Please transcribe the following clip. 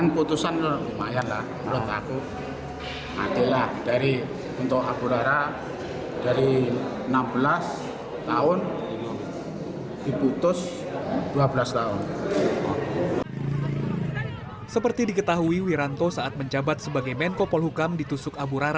kan putusan lumayan lah menurut aku